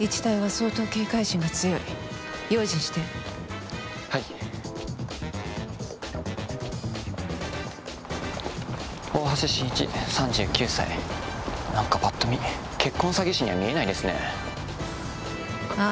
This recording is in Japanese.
一対は相当警戒心が強い用心してはい大橋進一３９歳何かぱっと見結婚サギ師には見えないですねああ